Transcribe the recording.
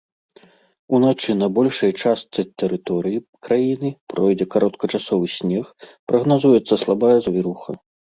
Уначы на большай частцы тэрыторыі краіны пройдзе кароткачасовы снег, прагназуецца слабая завіруха.